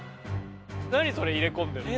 何それ入れ込んでんの。